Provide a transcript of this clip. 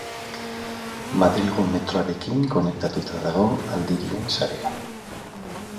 Madrilgo metroarekin konektatuta dago aldirien sarea.